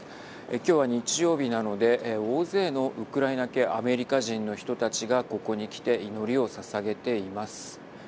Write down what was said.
今日は日曜日なので大勢のウクライナ系アメリカ人の人たちがここにきて祈りをささげています。